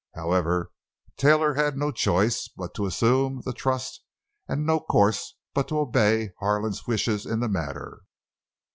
However, Taylor had no choice but to assume the trust and no course but to obey Harlan's wishes in the matter.